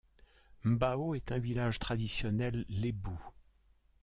Mbao est un village traditionnel lébou.